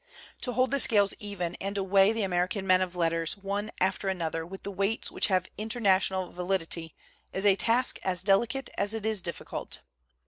To hold the scales even and to weigh the American men of letters, one after another, with the weights which have international valid ity, is a task as delicate as it is difficult.